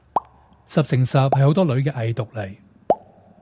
十成十係好多女嘅偽毒嚟